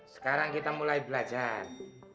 sekarang kita mulai belajar